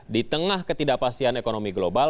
di tengah ketidakpastian ekonomi global